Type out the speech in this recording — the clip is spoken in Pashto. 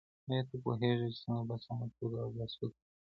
آیا ته پوهېږې چې څنګه په سمه توګه اودس وکړې؟